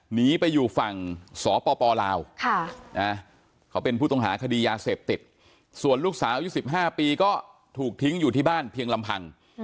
หนีไปอยู่ฝั่งสปลาวเขาเป็นผู้ต้องหาคดียาเสพติดส่วนลูกสาวอายุ๑๕ปีก็ถูกทิ้งอยู่ที่บ้านเพียงลำพัง